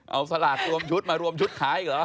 เอาสลากรวมชุดมารวมชุดขายอีกเหรอ